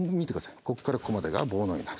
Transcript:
ここからここまでが棒のようになる。